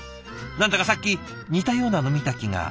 何だかさっき似たようなの見た気が。